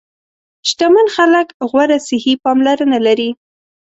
شتمن خلک غوره صحي پاملرنه لري.